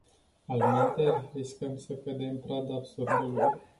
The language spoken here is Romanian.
Altminteri, riscăm să cădem pradă absurdului.